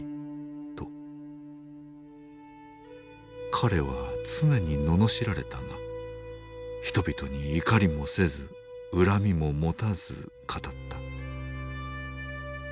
彼は常に罵られたが人々に怒りもせず恨みも持たず語った。